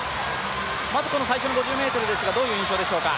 まずこの最初の５０ｍですがどういう印象でしょうか。